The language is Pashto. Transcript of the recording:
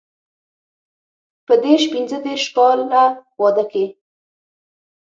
په دیرش پنځه دېرش کاله واده کې.